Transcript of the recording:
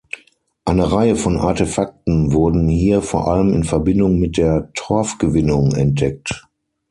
Eine Reihe von Artefakten wurden hier vor allem in Verbindung mit der Torfgewinnung entdeckt.